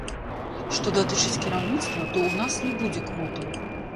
Што датычыць кіраўніцтва, то ў нас не будзе квотаў.